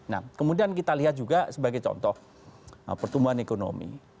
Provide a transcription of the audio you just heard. nah kemudian kita lihat juga sebagai contoh pertumbuhan ekonomi